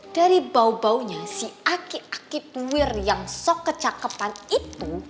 dari baunya si aki aki tuir yang sok kecakepan itu